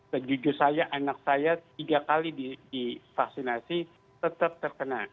sejujurnya anak saya tiga kali divaksinasi tetap terkena